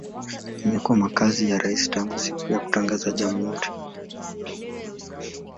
Imekuwa makazi ya rais tangu siku ya kutangaza jamhuri.